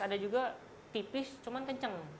ada juga tipis cuman kenceng